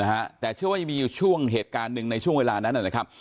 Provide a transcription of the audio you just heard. นะฮะแต่เชื่อว่ายังมีอยู่ช่วงเหตุการณ์หนึ่งในช่วงเวลานั้นนะครับ